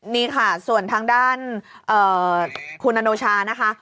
นี่ค่ะส่วนทางด้านคุณอโนชานะคะ